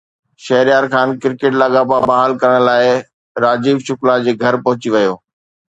Shehryar Khan cricket لاڳاپا بحال ڪرڻ لاءِ راجيو شڪلا جي گهر پهچي ويو